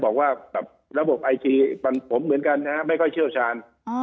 บอกว่าระบบไอจีผมเหมือนกันนะครับไม่ค่อยเชี่ยวชาญ